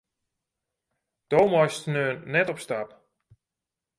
Do meist sneon net op stap.